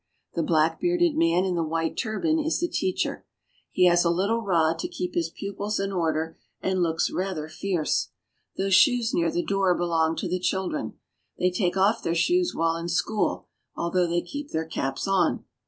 The black bearded man in the white turban is the teacher. He has a little rod to keep his pupils in order and looks rather fierce. Those shoes near the door belong to the children. They take off their shoes while in school, although they keep their caps on.